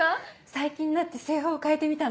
最近になって製法を変えてみたの。